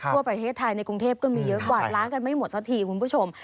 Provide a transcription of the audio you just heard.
ทั่วประเทศไทยในกรุงเทพก็มีเยอะกวาดล้างกันไม่หมดสักทีคุณผู้ชม